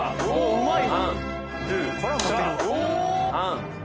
うまい！